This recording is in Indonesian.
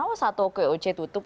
oh satu koc tutup